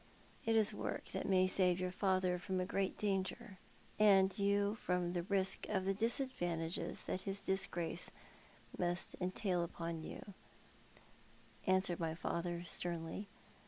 " It is work that may save your father from a great danger, and you from the risk of the disadvantages that his disgrace must entail upon you," answered my father, sternly.